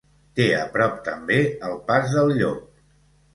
Té a prop, també, el Pas del Llop.